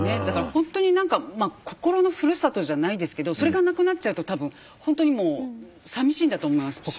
だから本当に何か心のふるさとじゃないですけどそれがなくなっちゃうと多分本当にもうさみしいんだと思います。